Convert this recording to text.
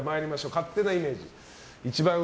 勝手なイメージ。